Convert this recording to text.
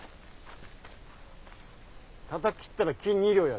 たたき斬ったら金２両やる。